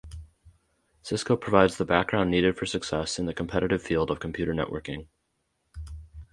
Cisco provides the background needed for success in the competitive field of computer networking.